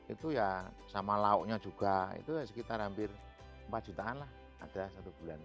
itu ya sama lauknya juga itu sekitar hampir empat jutaan lah ada satu bulan